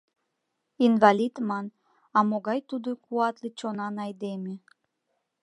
Инвалид ман, а могай тудо куатле чонан айдеме!